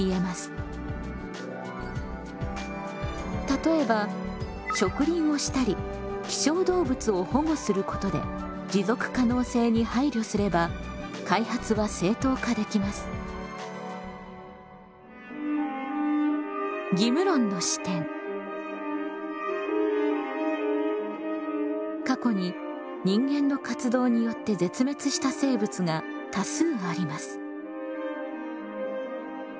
例えば植林をしたり希少動物を保護することで過去に人間の活動によって絶滅した生物が多数あります。